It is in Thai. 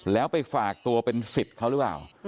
แล้วไปฝากตัวเป็นสิทธิ์เขาหรือเปล่า